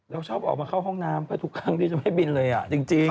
เราชอบออกมาเข้าห้องน้ำก็ทุกครั้งที่จะไม่บินเลยอ่ะจริง